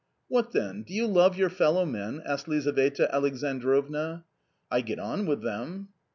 "What, then, do you love your fellow men?" asked Lizaveta Alexandrovna. " I get on with them."